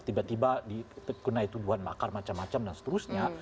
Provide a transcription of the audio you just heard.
tiba tiba dikenai tuduhan makar macam macam dan seterusnya